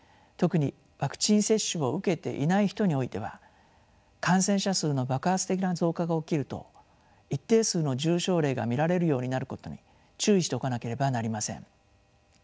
特にワクチン接種を受けていない人においては感染者数の爆発的な増加が起きると一定数の重症例が見られるようになることに注意しておかなければなりません。